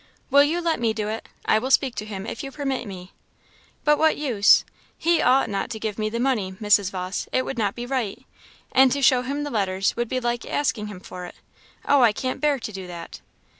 "Will you let me do it? I will speak to him if you permit me." "But what use? He ought not to give me the money, Mrs. Vawse. It would not be right; and to show him the letters would be like asking him for it. Oh, I can't bear to do that!"